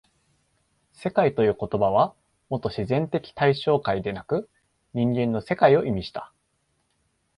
「世界」という言葉はもと自然的対象界でなく人間の世界を意味した。